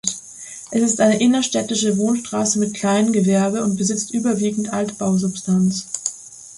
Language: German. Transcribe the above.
Es ist eine innerstädtische Wohnstraße mit Kleingewerbe und besitzt überwiegend Altbausubstanz.